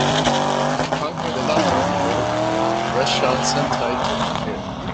Find me the novel called Ressha Sentai ToQger